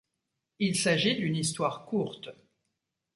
Il s'agit d'une histoire courte.